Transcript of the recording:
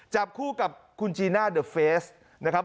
จับคู่กับคุณจีน่าเดอะเฟสนะครับ